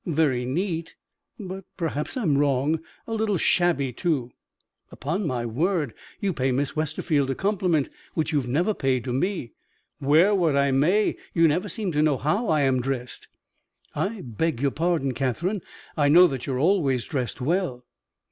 Very neat; but (perhaps I'm wrong) a little shabby too." "Upon my word, you pay Miss Westerfield a compliment which you have never paid to me! Wear what I may, you never seem to know how I am dressed." "I beg your pardon, Catherine, I know that you are always dressed well."